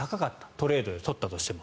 トレードで取ったとしても。